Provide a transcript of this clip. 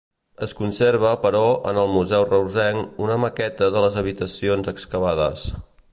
Es conserva però en el Museu reusenc una maqueta de les habitacions excavades.